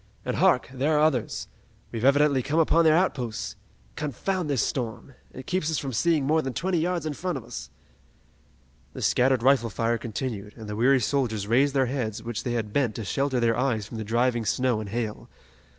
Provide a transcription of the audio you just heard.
And hark, there are others! We've evidently come upon their outposts! Confound this storm! It keeps us from seeing more than twenty yards in front of us!" The scattered rifle fire continued, and the weary soldiers raised their heads which they had bent to shelter their eyes from the driving snow and hail.